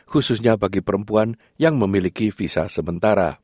khususnya bagi perempuan yang memiliki visa sementara